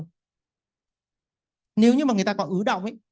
nghe thấy có tiếng rên hay không hay là có ứ động đờm rãi hay không